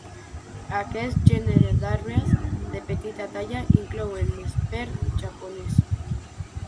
Aquest gènere d'arbres de petita talla inclou el nesprer japonès.